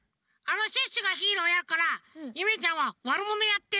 シュッシュがヒーローやるからゆめちゃんはワルモノやって。